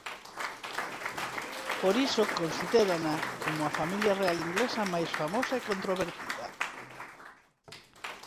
Por iso considérana como a familia real inglesa máis famosa e controvertida.